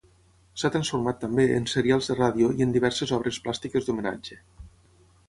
S'ha transformat també en serials de ràdio i en diverses obres plàstiques d'homenatge.